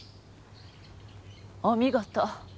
お見事。